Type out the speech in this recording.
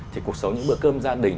thì cuộc sống những bữa cơm gia đình